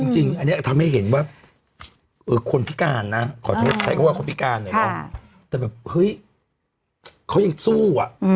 จริงอันนี้ทำให้เห็นว่าคนพิการนะขอใช้คำว่าคนพิการหน่อยเนาะแต่แบบเฮ้ยเขายังสู้อะ